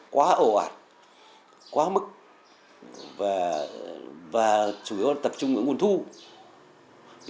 quá ồ ạt quá mức và chủ yếu là tập trung ở nguồn thu